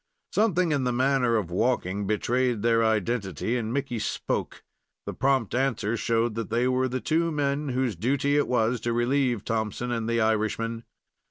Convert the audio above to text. Something in the manner of walking betrayed their identity, and Mickey spoke. The prompt answer showed that they were the two men whose duty it was to relieve Thompson and the Irishman.